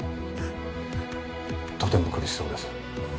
とても苦しそうです